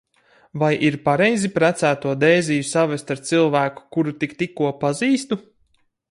Vai ir pareizi precēto Dēziju savest ar cilvēku, kuru tik tikko pazīstu?